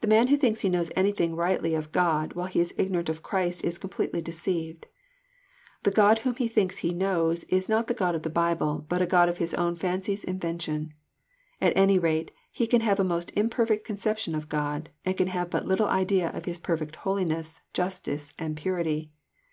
The man who thinks he knows anything rightly of God while he is ignorant of Chi'ist is completely de ceived. The God whom he thinks he knows is not the God of ' the Bible, but a God of his own fancy's invention. At any rate he can have a most imperfect conception of God, and can have but little idea of His perfect holiness, justice, and purity.